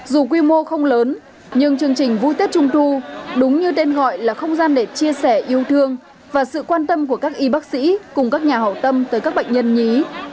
dù quy mô không lớn nhưng chương trình vui tết trung thu đúng như tên gọi là không gian để chia sẻ yêu thương và sự quan tâm của các y bác sĩ cùng các nhà hậu tâm tới các bệnh nhân nhí